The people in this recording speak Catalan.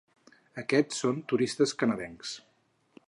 Aquests són turistes canadencs.